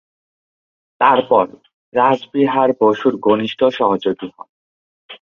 তারপর রাসবিহারী বসুর ঘনিষ্ঠ সহযোগী হন।